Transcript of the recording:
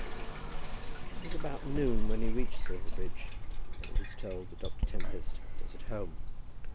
It was about noon when he reached Silverbridge, and he was told that Doctor Tempest was at home.